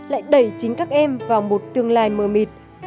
lại đẩy chính các em vào một tương lai mờ mịt